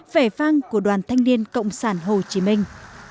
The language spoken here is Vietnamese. vẻ vang của đoàn thanh niên cộng sản hồ chí minh